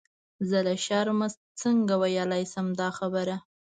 زه له شرمه څنګه ویلای شم دا خبره.